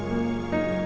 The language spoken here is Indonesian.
aku akan mencari temanmu